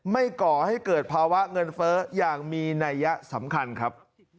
ก่อให้เกิดภาวะเงินเฟ้ออย่างมีนัยยะสำคัญครับ